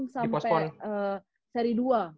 kemarin sampe seri dua